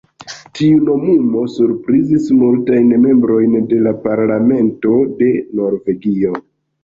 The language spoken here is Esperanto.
Tiu nomumo surprizis multajn membrojn de la Parlamento de Norvegio.